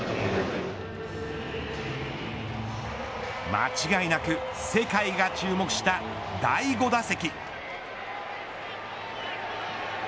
間違いなく世界が注目した第５打席。